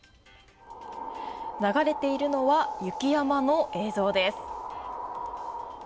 流れているのは雪山の映像です。